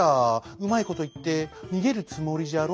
うまいこといってにげるつもりじゃろ」。